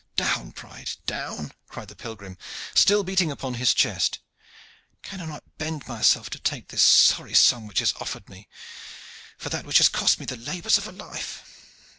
"Down, pride, down!" cried the pilgrim, still beating upon his chest. "Can I not bend myself then to take this sorry sum which is offered me for that which has cost me the labors of a life.